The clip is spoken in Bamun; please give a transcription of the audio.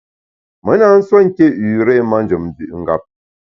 Me na nsuo nké üré manjem mvü’ ngap.